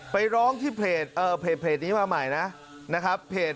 ไปร้องที่เพจนี้มาใหม่นะ